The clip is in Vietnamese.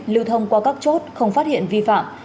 lưu thông qua các chốt không phát hiện vi phạm